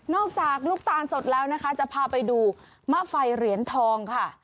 อกจากลูกตาลสดแล้วนะคะจะพาไปดูมะไฟเหรียญทองค่ะ